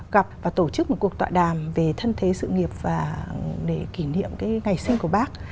gặp và tổ chức một cuộc tọa đàm về thân thế sự nghiệp để kỷ niệm cái ngày sinh của bác